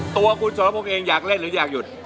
ตัวคุณสรพงศ์เองอยากเล่นหรืออยากหยุด